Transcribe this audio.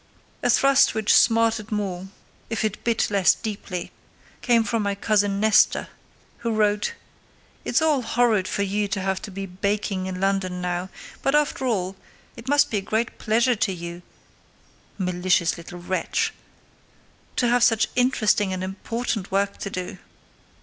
A thrust which smarted more, if it bit less deeply, came from my cousin Nesta, who wrote: "It's horrid for you to have to be baking in London now; but, after all, it must be a great pleasure to you" (malicious little wretch!) "to have such interesting and important work to do."